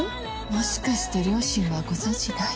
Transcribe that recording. もしかして両親はご存じない？